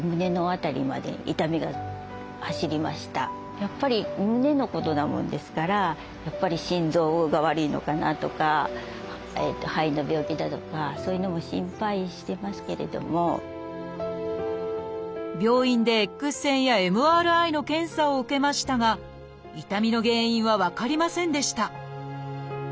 やっぱり胸のことなもんですから病院でＸ線やＭＲＩの検査を受けましたが痛みの原因は分かりませんでした